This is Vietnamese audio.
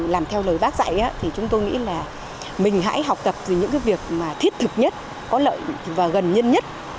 làm theo lời bác dạy thì chúng tôi nghĩ là mình hãy học tập những việc thiết thực nhất có lợi và gần nhân nhất